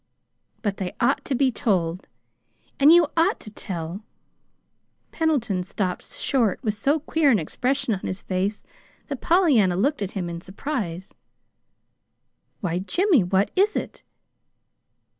"But they ought to be told, and you ought to tell " Pendleton stopped short with so queer an expression on his face that Pollyanna looked at him in surprise. "Why, Jimmy, what is it?"